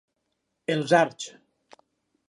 Els Arts.